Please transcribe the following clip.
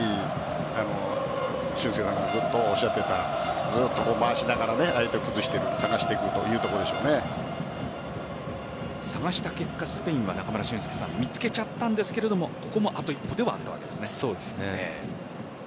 俊輔さんがずっとおっしゃっていた回しながら相手を崩して探していく探した結果スペインは見つけちゃったんですけどここもあと一歩で終わったわけですね。